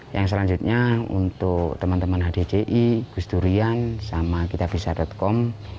yang selanjutnya untuk teman teman hdci gus durian sama kitabisa com